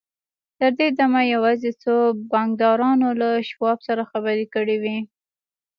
تر دې دمه يوازې څو بانکدارانو له شواب سره خبرې کړې وې.